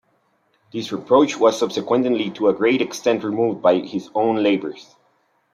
This reproach was subsequently to a great extent removed by his own labours.